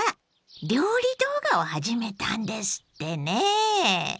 料理動画を始めたんですってね。